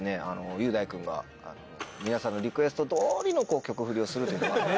雄大君が皆さんのリクエスト通りの曲フリをするという。